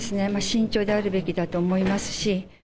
慎重であるべきと思いますし。